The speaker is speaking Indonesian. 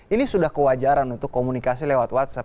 ini sudah kewajaran untuk komunikasi lewat whatsapp